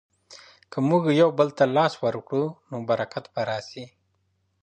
که موږ یو بل ته لاس ورکړو نو برکت به راسي.